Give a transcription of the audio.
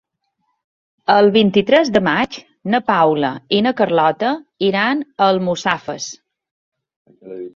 El vint-i-tres de maig na Paula i na Carlota iran a Almussafes.